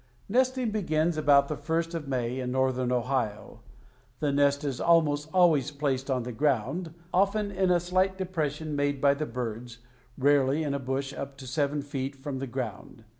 Nesting begins about the first of May in northern Ohio. The nest is almost always placed on the ground, often in a slight depression made by the birds, rarely in a bush up to seven feet from the ground.